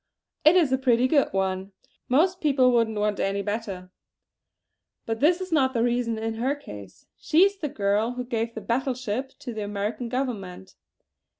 "It is a pretty good one. Most people wouldn't want any better. But this is not the reason in her case. She is the girl who gave the battle ship to the American Government!"